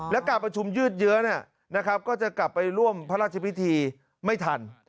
และการประชุมยืดเยอะก็จะกลับไปร่วมพระราชพิธีไม่ทัน